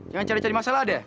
jangan cari cari masalah ada